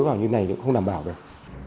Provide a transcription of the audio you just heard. bước vào như này cũng không đảm bảo được